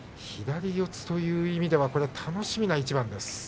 左四つという意味では楽しみな一番です。